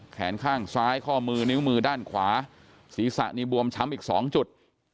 แขนข้างซ้ายข้อมือนิ้วมือด้านขวาศีรษะนี่บวมช้ำอีก๒จุด